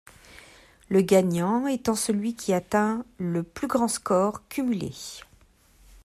Le gagnant étant celui qui atteint le plus grand score cumulé.